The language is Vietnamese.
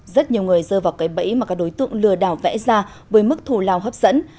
rất nhiều người rơi vào cái bẫy mà các đối tượng lừa đảo vẽ ra với mức thù lào hấp dẫn